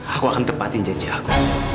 aku akan tepatin janji aku